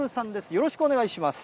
よろしくお願いします。